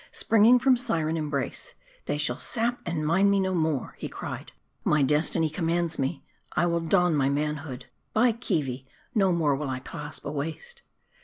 Springing from syren embrace " They shall sap and mine me no more" he cried " my destiny commands me. I will don my manhood. By Keevi ! no more will I clasp a waist."